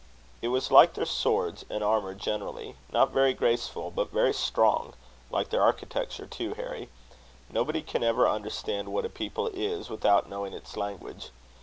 It was like their swords and armour generally, not very graceful, but very strong; like their architecture too, Harry. Nobody can ever understand what a people is, without knowing its language.